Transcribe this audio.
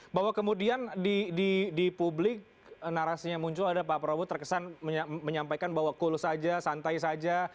bahwa kemudian di publik narasinya muncul ada pak prabowo terkesan menyampaikan bahwa cools saja santai saja